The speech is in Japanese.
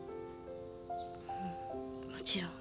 うんもちろん。